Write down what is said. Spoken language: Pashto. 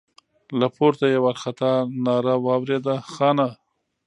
له پورته يې وارخطا ناره واورېده: خانه!